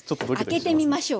開けてみましょう。